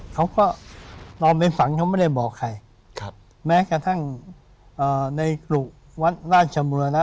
เขาก็นอนในฝั่งเขาไม่ได้บอกใครแม้กระทั่งในกรุวัดราชบุรณะ